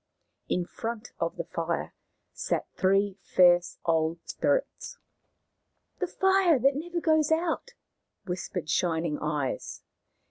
In front of the fire sat three fierce old spirits. " The Fire that never goes out !" whispered Shining Eyes.